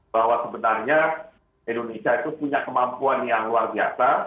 bahwa sebenarnya indonesia itu punya kemampuan yang luar biasa